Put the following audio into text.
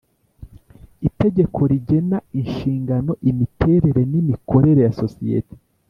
Itegeko rigena inshingano imiterere n’imikorere ya sosiyete